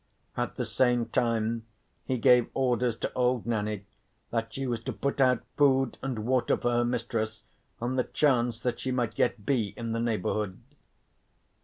At the same time he gave orders to old Nanny that she was to put out food and water for her mistress, on the chance that she might yet be in the neighbourhood.